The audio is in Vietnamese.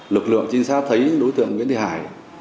lực lượng trinh sát thấy đối tượng nguyễn thị hải